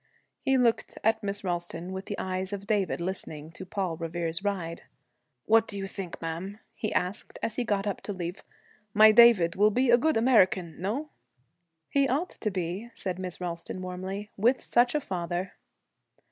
He looked at Miss Ralston with the eyes of David listening to 'Paul Revere's Ride.' 'What do you think, ma'am,' he asked, as he got up to leave, 'my David will be a good American, no?' 'He ought to be,' said Miss Ralston, warmly, 'with such a father.'